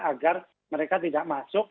agar mereka tidak masuk